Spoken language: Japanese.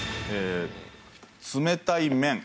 冷たい麺。